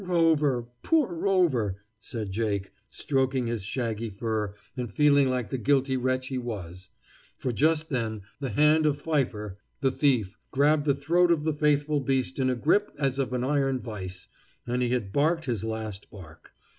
"Rover, poor Rover," said Jake, stroking his shaggy fur and feeling like the guilty wretch he was; for just then the hand of Pfeiffer, the thief, grabbed the throat of the faithful beast in a grip as of an iron vise, and he had barked his last bark.